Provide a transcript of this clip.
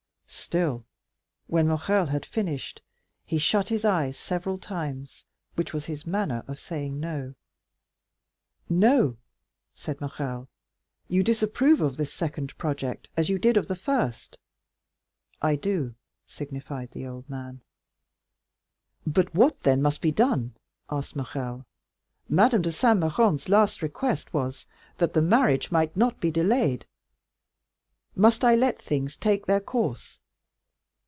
Still, when Morrel had finished, he shut his eyes several times, which was his manner of saying "No." "No?" said Morrel; "you disapprove of this second project, as you did of the first?" "I do," signified the old man. "But what then must be done?" asked Morrel. "Madame de Saint Méran's last request was, that the marriage might not be delayed; must I let things take their course?"